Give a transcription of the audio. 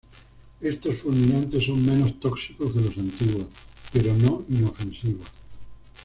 Estos fulminantes son menos tóxicos que los antiguos, pero no inofensivos.